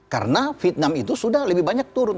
karena vietnam itu sudah lebih banyak turun